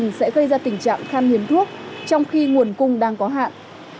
nhiều người đã đưa ra tình trạng khăn hiến thuốc trong khi nguồn cung đang có hạn